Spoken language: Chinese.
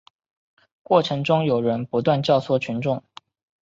过程中有人不断教唆群众